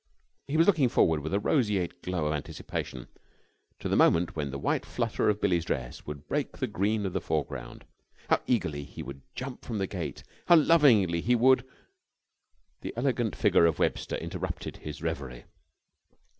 He was looking forward with a roseate glow of anticipation to the moment when the white flutter of Billie's dress would break the green of the foreground. How eagerly he would jump from the gate! How lovingly he would.... The elegant figure of Webster interrupted his reverie.